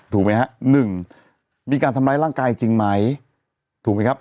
ถูกไหมฮะหนึ่งมีการทำร้ายร่างกายจริงไหมถูกไหมครับ